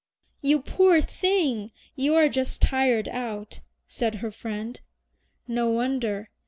"You poor thing, you are just tired out," said her friend. "No wonder.